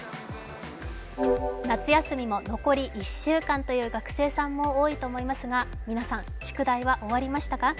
夏休みも残り１週間という学生さんも多いと思いますが、皆さん、宿題は終わりましたか？